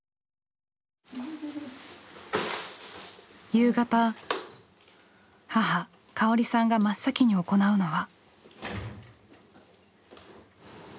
夕方母香織さんが真っ先に行うのは。